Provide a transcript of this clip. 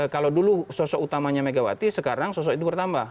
kalau dulu sosok utamanya megawati sekarang sosok itu bertambah